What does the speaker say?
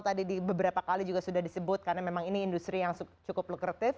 tadi di beberapa kali juga sudah disebut karena memang ini industri yang cukup lukertif